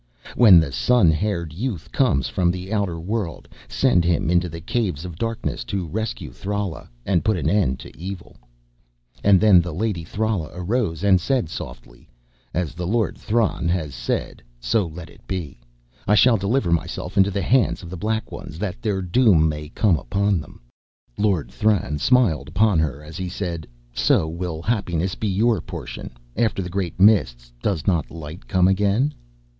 When the sun haired youth comes from the outer world, send him into the Caves of Darkness to rescue Thrala and put an end to evil.' "And then the Lady Thrala arose and said softly, 'As the Lord Thran has said, so let it be. I shall deliver myself into the hands of the Black Ones that their doom may come upon them.' "Lord Thran smiled upon her as he said: 'So will happiness be your portion. After the Great Mists, does not light come again?'